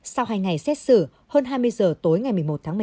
sau hai ngày xét xử hơn hai mươi giờ tối ngày một mươi một tháng một mươi hai